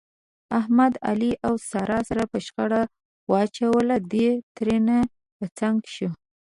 احمد، علي او ساره سره په شخړه واچول، دی ترېنه په څنګ شو.